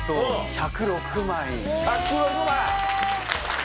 １０６ 枚！